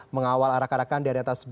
mengawal arak arakan dari atas bus bantros